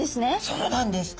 そうなんです。